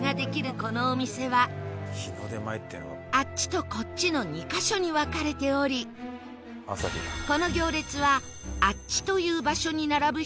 このお店は「あっち」と「こっち」の２カ所に分かれておりこの行列は「あっち」という場所に並ぶ人たちの列なんだそう